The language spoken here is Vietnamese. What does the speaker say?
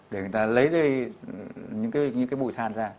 để người ta lấy những cái bụi than ra